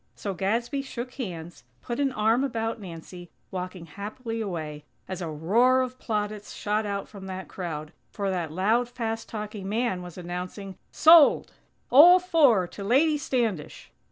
So Gadsby shook hands, put an arm about Nancy, walking happily away, as a roar of plaudits shot out from that crowd, for that loud, fast talking man was announcing: "_Sold! All four to Lady Standish!!